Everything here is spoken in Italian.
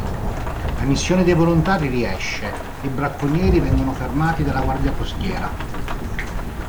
La missione dei volontari riesce e i bracconieri vengono fermati dalla Guardia costiera.